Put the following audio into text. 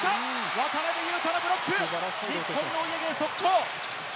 渡邊雄太のブロック日本のお家芸、速攻！